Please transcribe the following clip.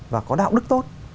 và có đạo đức tốt